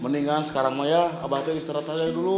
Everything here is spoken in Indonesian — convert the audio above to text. mendingan sekarang saya abadnya istirahat saja dulu